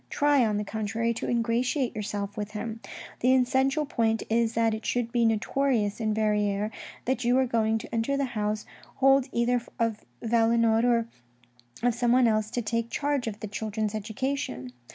Try, on the contrary, to ingratiate yourself with him. The essential point is that it should be notorious in Verrieres that you are going to enter the house hold either of Valenod or of someone else to take charge of the children's education.